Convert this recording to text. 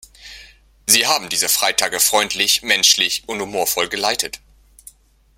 Sie haben diese Freitage freundlich, menschlich und humorvoll geleitet.